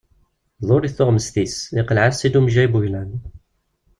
Tḍurr-it tuɣmest-is, yeqleɛ-as-tt-id umejjay n wuglan.